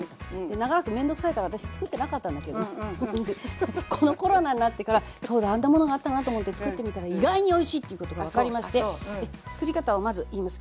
長らく面倒くさいから私作ってなかったんだけどこのコロナになってから「そうだあんなものがあったな」と思って作ってみたら意外においしいっていうことが分かりまして作り方をまず言います。